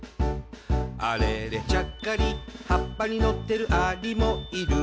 「あれれちゃっかり葉っぱにのってるアリもいる」